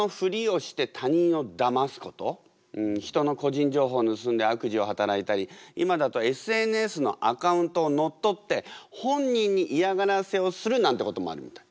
人の個人情報盗んで悪事を働いたり今だとＳＮＳのアカウントを乗っ取って本人に嫌がらせをするなんてこともあるみたい。